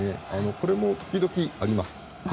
これも時々あります。